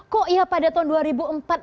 kok iya pada tahun dua ribu empat menurun